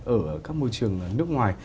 ở các môi trường nước ngoài